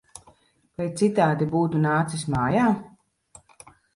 Vai citādi būtu nācis mājā!